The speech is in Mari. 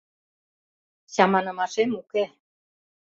Чаманымашем уке...